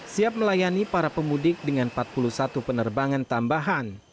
siap melayani para pemudik dengan empat puluh satu penerbangan tambahan